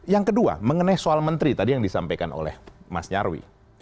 yang kedua mengenai soal menteri tadi yang disampaikan oleh mas nyarwi